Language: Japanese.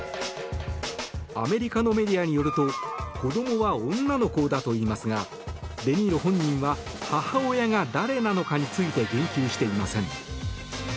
アメリカのメディアによると子どもは女の子だといいますがデニーロ本人は母親が誰なのかについて言及していません。